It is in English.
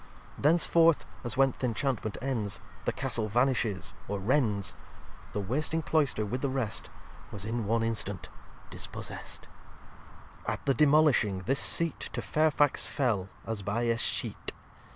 Thenceforth (as when th' Inchantment ends The Castle vanishes or rends) The wasting Cloister with the rest Was in one instant dispossest. xxxv At the demolishing, this Seat To Fairfax fell as by Escheat.